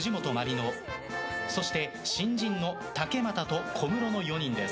乃そして新人の竹俣と小室の４人です。